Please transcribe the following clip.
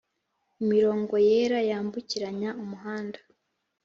Imirongo yera yambukiranya umuhanda